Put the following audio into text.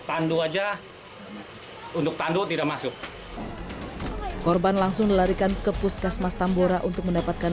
tandu aja untuk tandu tidak masuk korban langsung dilarikan ke puskesmas tambora untuk mendapatkan